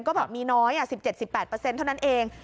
ก็แบบมีน้อย๑๗๑๘เท่านั้นเอง